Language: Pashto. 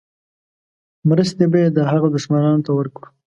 مرستې به یې د هغه دښمنانو ته ورکړو.